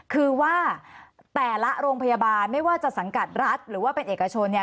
คือว่าแต่ละโรงพยาบาลไม่ว่าจะสังกัดรัฐหรือว่าเป็นเอกชนเนี่ย